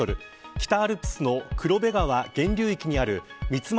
北アルプスの黒部川、源流域にある三俣